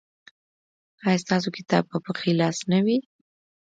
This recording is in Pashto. ایا ستاسو کتاب به په ښي لاس نه وي؟